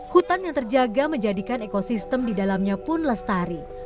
hutan yang terjaga menjadikan ekosistem di dalamnya pun lestari